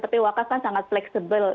tapi wakaf kan sangat fleksibel